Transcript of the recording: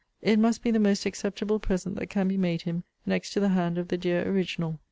* It must be the most acceptable present that can be made him, next to the hand of the dear original.